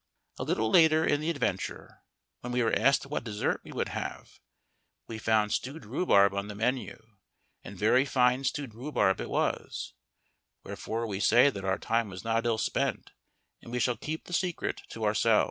A little later in the adventure, when we were asked what dessert we would have, we found stewed rhubarb on the menu, and very fine stewed rhubarb it was; wherefore we say that our time was not ill spent and we shall keep the secret to ourself.